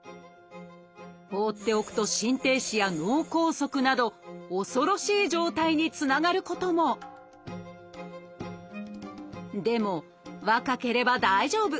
放っておくと心停止や脳梗塞など恐ろしい状態につながることもでも若ければ大丈夫！